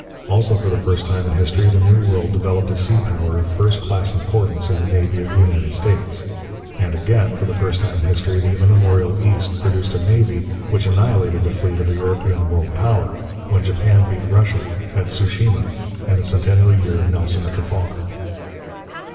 Also for the first time in history the New World developed a sea power of first class importance in the navy of the United States. And, again for the first time in history, the immemorial East produced a navy which annihilated the fleet of a European world power when Japan beat Russia at Tsu shima in the centennial year of Nelson at Trafalgar.